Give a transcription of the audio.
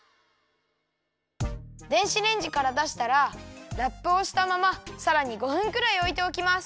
電子レンジからだしたらラップをしたままさらに５分くらいおいておきます。